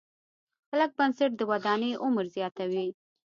کلک بنسټ د ودانۍ عمر زیاتوي.